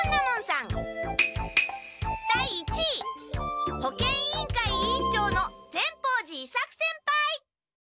第一位保健委員会委員長の善法寺伊作先輩！